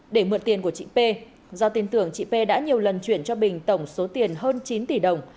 để mượn tiền của chị p do tin tưởng chị p đã nhiều lần chuyển cho bình tổng số tiền hơn chín tỷ đồng